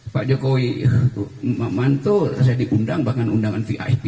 pak jokowi mantul saya diundang bahkan undangan vip